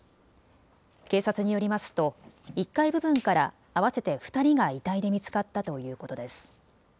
警察によりますと１階部分から合わせて２人が遺体で見つかったということです。